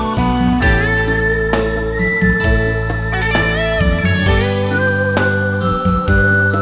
วันนี้